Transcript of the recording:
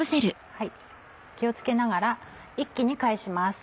気を付けながら一気に返します。